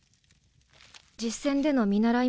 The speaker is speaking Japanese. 実戦での見習い